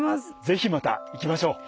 是非また行きましょう。